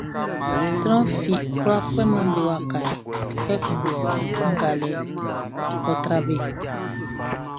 Sran fi kwlá kpɛman be wakaʼn, kpɛkun ngalɛʼn ɔ́ trá be.